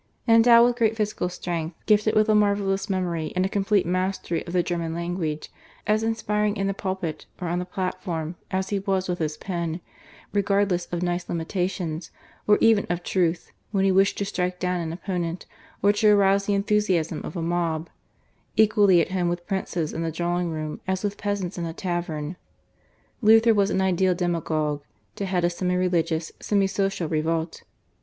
Endowed with great physical strength, gifted with a marvellous memory and a complete mastery of the German language, as inspiring in the pulpit or on the platform as he was with his pen, regardless of nice limitations or even of truth when he wished to strike down an opponent or to arouse the enthusiasm of a mob, equally at home with princes in the drawing room as with peasants in a tavern Luther was an ideal demagogue to head a semi religious, semi social revolt.